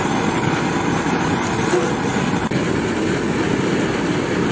นี่คนกินเลยเดี๋ยว